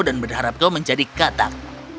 dan berharap kau menjadi katak